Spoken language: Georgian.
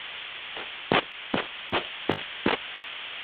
საბურავად გამოყენებულია დიდი ზომის ფიქალი.